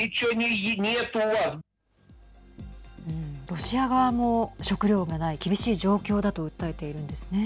ロシア側も食料がない厳しい状況だと訴えているんですね。